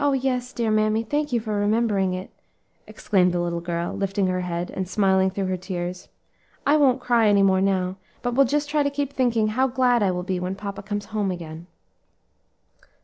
yes, dear mammy, thank you for remembering it," exclaimed the little girl, lifting her head and smiling through her tears. "I won't cry any more now, but will just try to keep thinking how glad I will be when papa comes home again."